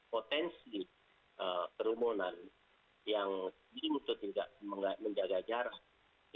potensi kerumunan yang jadi untuk menjaga jarak